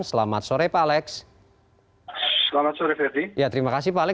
selamat sore pak alex